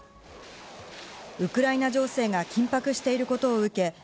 ウクライナ情勢が緊迫していることを受け